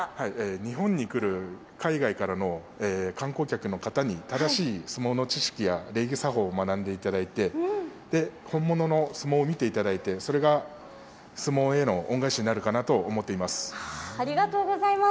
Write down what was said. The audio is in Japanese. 日本に来る海外からの観光客の方に、正しい相撲の知識や礼儀作法を学んでいただいて、本物の相撲を見ていただいて、それが相撲への恩返しになるかなと思っています。